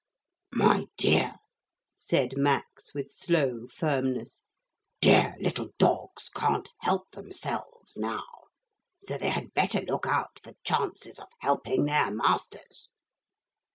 'My dear,' said Max with slow firmness, 'dear little dogs can't help themselves now. So they had better look out for chances of helping their masters.'